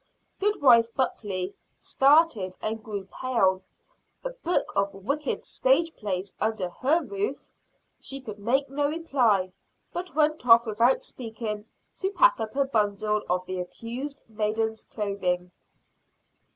Goodwife Buckley started and grew pale. A book of wicked stage plays under her roof! She could make no reply, but went off without speaking to pack up a bundle of the accused maiden's clothing.